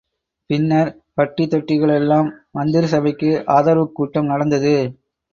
பின்னர் பட்டி தொட்டிகளிலெல்லாம் மந்திரிசபைக்கு ஆதரவுக்கூட்டம் நடந்தது.